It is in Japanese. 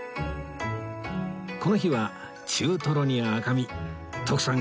この日は中トロに赤身徳さん